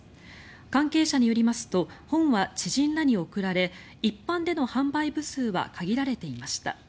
関係者によりますと本は知人らに贈られ一般での販売部数は限られていました。